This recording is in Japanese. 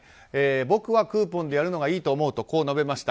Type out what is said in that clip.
僕はクーポンでやるのがいいと思うと述べました。